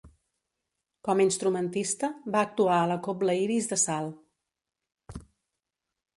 Com a instrumentista, va actuar a la cobla Iris de Salt.